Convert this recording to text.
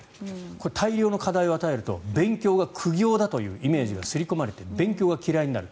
これは、大量の課題を与えると勉強が苦行だというイメージが刷り込まれて勉強が嫌いになる。